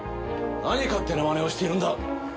何勝手な真似をしているんだ！